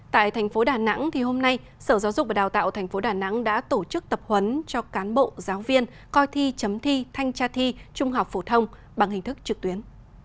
tại thành phố đà nẵng hôm nay sở giáo dục và đào tạo tp đà nẵng đã tổ chức tập huấn cho cán bộ giáo viên coi thi chấm thi thanh tra thi trung học phổ thông bằng hình thức trực tuyến